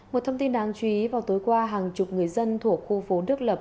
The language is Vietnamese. một thông tin đáng chú ý vào tối qua hàng chục người dân thuộc khu phố đức lập